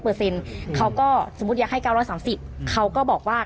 เปอร์เซ็นต์เขาก็สมมุติอยากให้เก้าร้อยสามสิบเขาก็บอกว่า